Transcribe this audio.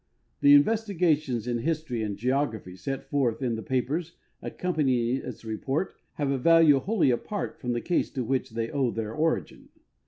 The investigations in history and geography set forth in the papers accomj^anying its report have a value wholly apart from the case to which they owe their origin.